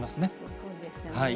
そうですよね。